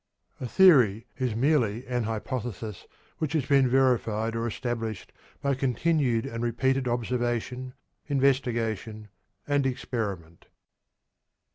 A theory is merely an hypothesis which has been verified or established by continued and repeated observation, investigation, and experiment.